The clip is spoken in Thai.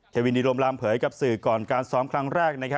วินดิรมรามเผยกับสื่อก่อนการซ้อมครั้งแรก